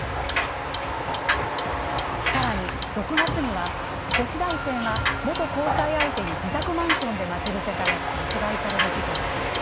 さらに、６月には女子大生が元交際相手に自宅マンションで待ち伏せされ殺害される事件も。